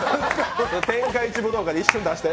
天下一武道会で一瞬出して。